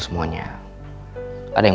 semuanya ada yang